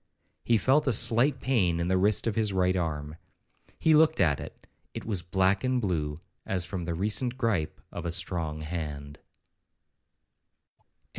He felt a slight pain in the wrist of his right arm. He looked at it, it was black and blue, as from the recent gripe of a strong hand.